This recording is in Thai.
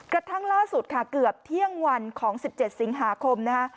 กระทั่งล่าสุดค่ะเกือบเที่ยงวันของ๑๗สิงหาคมนะคะ